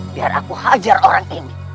biar aku hajar orang ini